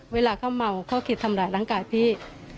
เวลาเขาเมาเขาคิดทำร้ายร่างกายพี่